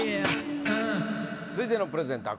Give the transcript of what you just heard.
続いてのプレゼンター